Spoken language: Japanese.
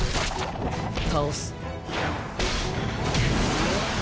倒す。